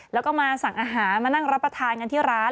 แล้วก็มาสั่งอาหารมานั่งรับประทานกันที่ร้าน